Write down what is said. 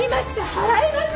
払いますよ！